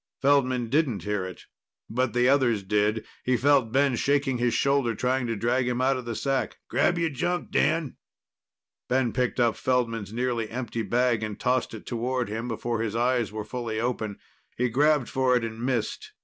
Feldman didn't hear it, but the others did. He felt Ben shaking his shoulder, trying to drag him out of the sack. "Grab your junk, Dan." Ben picked up Feldman's nearly empty bag and tossed it toward him, before his eyes were fully open. He grabbed for it and missed.